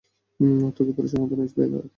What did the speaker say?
তোকে পুরুষের মতো নিজ পায়ে দাঁড়াতে হবে।